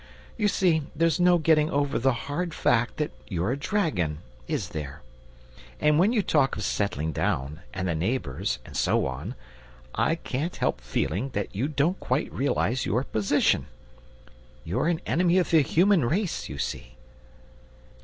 You see there's no getting over the hard fact that you're a dragon, is there? And when you talk of settling down, and the neighbours, and so on, I can't help feeling that you don't quite realize your position. You're an enemy of the human race, you see!"